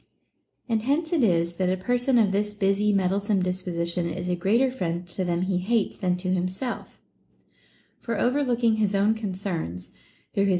And hence it is, that a person of this busy meddlesome disposition is a greater friend to them he hates than to hii^self; for overlooking his own concerns, through his INTO THINGS IMPERTINENT.